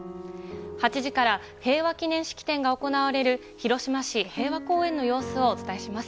８時から平和記念式典が行われる広島市平和公園の様子をお伝えします。